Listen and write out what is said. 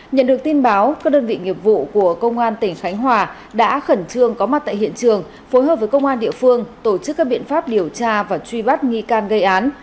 nhận được tin báo các đơn vị nghiệp vụ của công an tỉnh khánh hòa đã khẩn trương có mặt tại hiện trường phối hợp với công an địa phương tổ chức các biện pháp điều tra và truy bắt nghi can gây án